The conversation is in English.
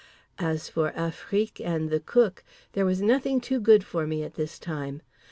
As for Afrique and The Cook—there was nothing too good for me at this time.